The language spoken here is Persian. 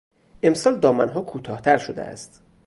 امسال دامنها کوتاهتر شده است.